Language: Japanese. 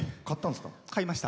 買ったんですか？